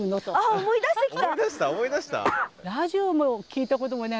思い出した？